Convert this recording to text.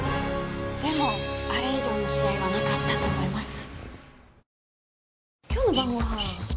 でもあれ以上の試合はなかったと思います。